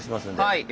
はい。